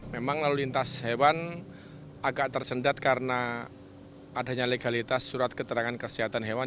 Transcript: memang lalu lintas hewan agak tersendat karena adanya legalitas surat keterangan kesehatan hewan